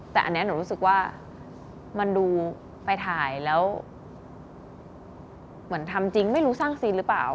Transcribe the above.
แต่อันนี้หนูรู้สึกว่ามันดูไปถ่ายแล้วเหมือนทำจริงไม่รู้สร้างซีนหรือเปล่า